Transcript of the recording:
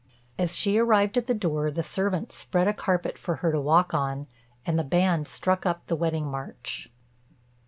As she arrived at the door, the servants spread a carpet for her to walk on, and the band struck up the wedding march.